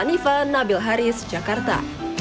nifa nabil haris jakarta